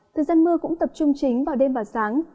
thời gian mưa cũng tập trung chính vào đêm và sáng